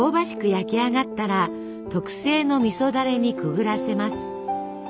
焼き上がったら特製のみそだれにくぐらせます。